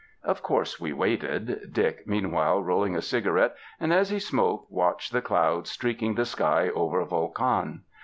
Of course, we waited, Dick meanwhile rolling a ciga rette, and, as he smoked, watched the clouds streak ing the sky over Volcan.